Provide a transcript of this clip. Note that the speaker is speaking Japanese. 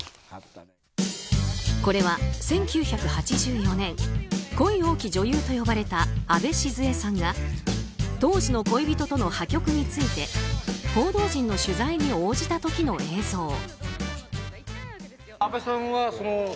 これは１９８４年恋多き女優と呼ばれたあべ静江さんが当時の恋人との破局について報道陣の取材に応じた時の映像。